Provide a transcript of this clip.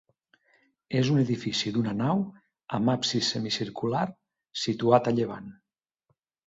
És un edifici d'una nau amb absis semicircular situat a llevant.